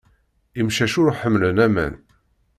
Imcac ur ḥemmlen aman.